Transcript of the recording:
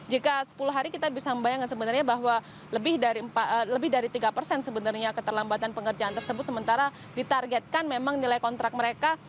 jika sepuluh hari kita bisa membayangkan sebenarnya bahwa lebih dari tiga persen sebenarnya keterlambatan pengerjaan tersebut sementara ditargetkan memang nilai kontrak mereka